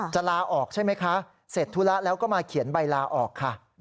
ลาออกใช่ไหมคะเสร็จธุระแล้วก็มาเขียนใบลาออกค่ะ